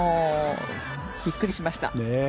びっくりしました。